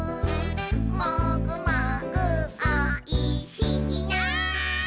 「もぐもぐおいしいな」